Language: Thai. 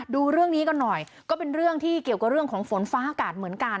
ดูเรื่องนี้กันหน่อยก็เป็นเรื่องที่เกี่ยวกับเรื่องของฝนฟ้าอากาศเหมือนกัน